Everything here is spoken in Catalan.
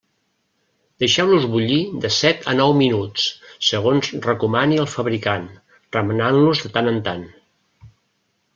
Deixeu-los bullir de set a nou minuts, segons recomani el fabricant, remenant-los de tant en tant.